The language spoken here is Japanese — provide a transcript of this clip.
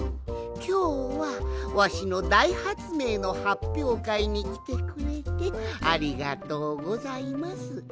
きょうはわしのだいはつめいのはっぴょうかいにきてくれてありがとうございます。